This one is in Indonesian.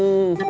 ya aku percaya